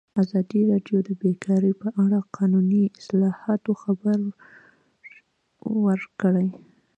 ازادي راډیو د بیکاري په اړه د قانوني اصلاحاتو خبر ورکړی.